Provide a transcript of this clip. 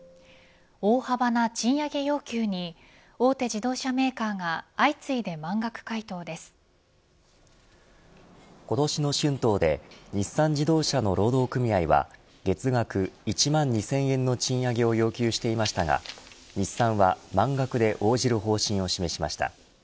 大幅な賃上げ要求に大手自動車メーカーが今年の春闘で日産自動車の労働組合は月額１万２０００円の賃上げを要求していましたが日産は満額で応じる方針を示しました。